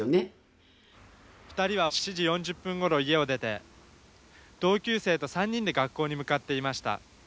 ２人は７時４０分ごろ家を出て同級生と３人で学校に向かっていました。